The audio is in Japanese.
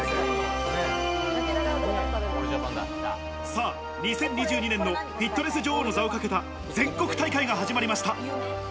さぁ２０２２年のフィットネス女王の座をかけた全国大会が始まりました。